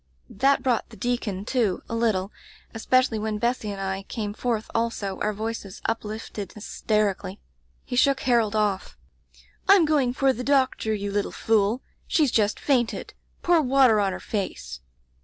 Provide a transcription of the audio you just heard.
* "That brought the deacon to, a little, especially when Bessy and I came forth also, our voices uplifted hysterically. He shook Harold off: Tm going for the doctor, you little fool. She's just fainted. Pour water on her face!